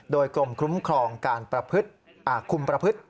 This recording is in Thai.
โดยกรมคุ้มครองการคุมประพฤติ